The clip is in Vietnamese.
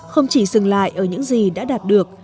không chỉ dừng lại ở những gì đã đạt được